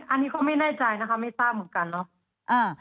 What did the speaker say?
อันนี้เขาไม่แน่ใจนะคะไม่ทราบเหมือนกันเนาะ